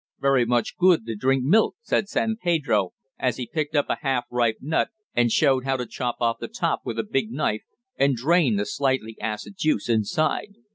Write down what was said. "Very much good to drink milk," said San Pedro, as he picked up a half ripe nut, and showed how to chop off the top with a big knife and drain the slightly acid juice inside.